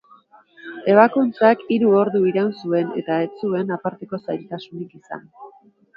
Ebakuntzak hiru ordu iraun zuen eta ez zuen aparteko zailtasunik izan.